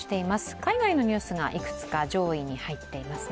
海外のニュースがいくつか上位に入っていますね。